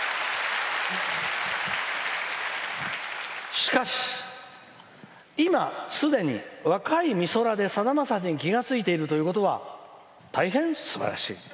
しかし、今、すでに若いみそらで、さだまさしに気が付いているということは大変すばらしい。